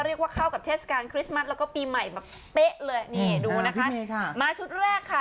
เรียกว่าเข้ากับเทศกาลคริสต์มัสแล้วก็ปีใหม่แบบเป๊ะเลยนี่ดูนะคะนี่ค่ะมาชุดแรกค่ะ